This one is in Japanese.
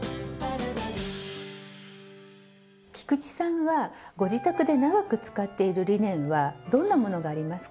菊池さんはご自宅で長く使っているリネンはどんなものがありますか？